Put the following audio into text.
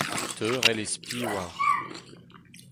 teurel e spi war